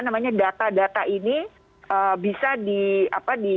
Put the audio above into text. sehingga data data ini bisa di